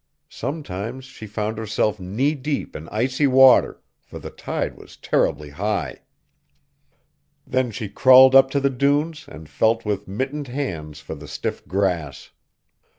Sometimes she found herself knee deep in icy water, for the tide was terribly high. Then she crawled up to the dunes and felt with mittened hands for the stiff grass.